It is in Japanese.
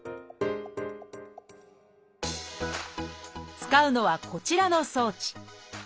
使うのはこちらの装置。